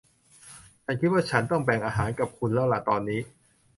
ฉันคิดว่าฉันต้องแบ่งอาหารกับคุณแล้วล่ะตอนนี้